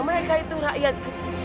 mereka itu rakyat kecil